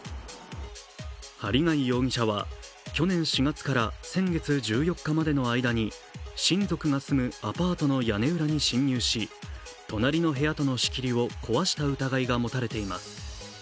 針谷容疑者は去年４月から先月１４日までの間に親族が住むアパートの屋根裏に侵入し隣の部屋との仕切りを壊した疑いが持たれています。